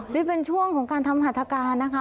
นี่เป็นช่วงของการทำหัตถการนะคะ